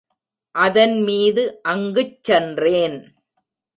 அதன்மீது அங்குச் சென்றேன்.